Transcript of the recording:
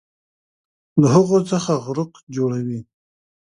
له هغو څخه غروق جوړوي